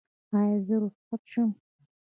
ایا زه رخصت شم؟